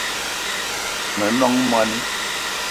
Me nong moni